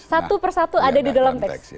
satu persatu ada di dalam teks